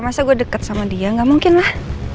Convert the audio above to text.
masa gue deket sama dia gak mungkin lah